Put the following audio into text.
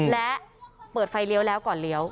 และเปิดไฟเลี้ยวแล้วก่อนเลี้ยว